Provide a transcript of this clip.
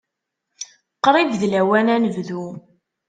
Qrib d lawan ad nebdu.